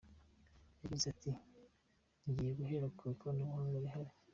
Yagize ati “Ngiye guhera ku ikoranabuhanga rihari.